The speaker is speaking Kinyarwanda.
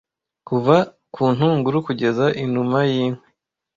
kuva kuntunguru kugeza inuma yinkwi